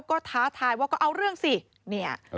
ก็ท้าทายว่าก็เอาเรื่องสิเนี่ย